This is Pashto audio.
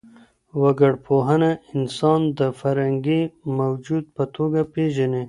وګړپوهنه انسان د فرهنګي موجود په توګه پېژني.